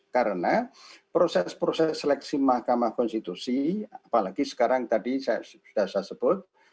karena proses proses seleksi mahkamah konstitusi apalagi sekarang tadi sudah saya sebut